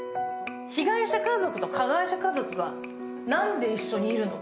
被害者家族と加害者家族がなんで一緒にいるの？